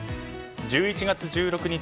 １１月１６日